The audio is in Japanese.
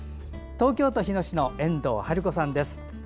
東京都日野市の遠藤晴子さんです。